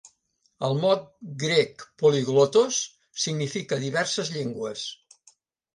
El mot grec "polyglottos" significa "diverses llengües".